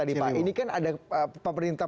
ini kan ada pemerintah